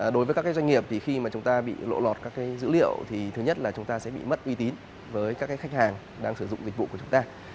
đối với các doanh nghiệp thì khi mà chúng ta bị lộ lọt các dữ liệu thì thứ nhất là chúng ta sẽ bị mất uy tín với các khách hàng đang sử dụng dịch vụ của chúng ta